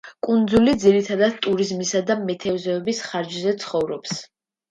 კუნძული ძირითადად ტურიზმისა და მეთევზეობის ხარჯზე ცხოვრობს.